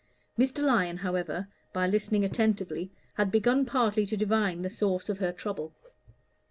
Mr. Lyon, however, by listening attentively, had begun partly to divine the source of her trouble.